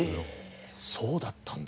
ええそうだったんだ。